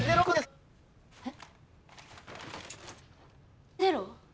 えっ？